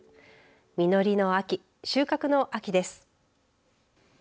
実りの秋収穫の秋です。